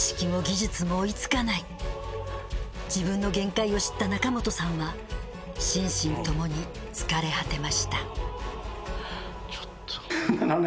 自分の限界を知った中元さんは心身ともに疲れ果てました。